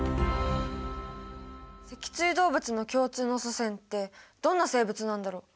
脊椎動物の共通の祖先ってどんな生物なんだろう？